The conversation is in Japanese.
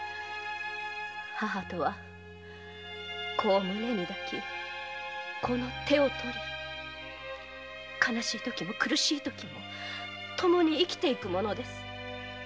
母とは子を胸に抱き子の手を取り悲しい時も苦しい時もともに生きていくものです。